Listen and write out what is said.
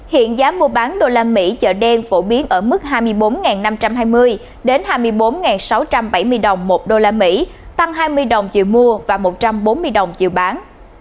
hiện giá mua bán usd chợ đen phổ biến ở mức hai mươi bốn năm trăm hai mươi hai mươi bốn sáu trăm bảy mươi đồng một usd tăng hai mươi đồng chiều mua và một trăm bốn mươi đồng chiều bán